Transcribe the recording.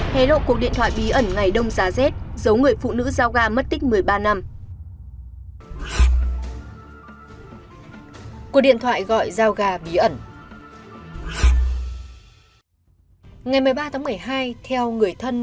hè lộ cuộc điện thoại bí ẩn ngày đông giá z giấu người phụ nữ giao gà mất tích một mươi ba năm